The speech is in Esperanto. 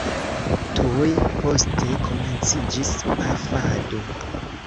Tuj poste komenciĝis pafado.